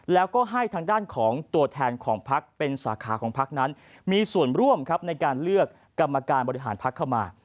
แล้วก็ให้ทางด้านของตัวแทนของพักเป็นสาขาของพักนั้นมีส่วนร่วมครับในการเลือกกรรมการบริหารพักเข้ามา